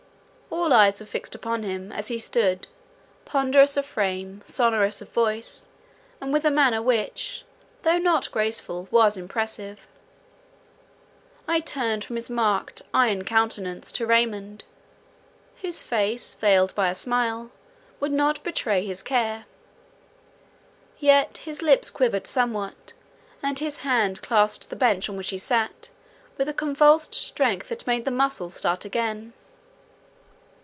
All eyes were fixed upon him as he stood—ponderous of frame, sonorous of voice, and with a manner which, though not graceful, was impressive. I turned from his marked, iron countenance to Raymond, whose face, veiled by a smile, would not betray his care; yet his lips quivered somewhat, and his hand clasped the bench on which he sat, with a convulsive strength that made the muscles start again.